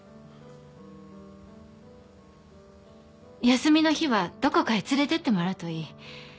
休みの日はどこかへ連れてってもらうといい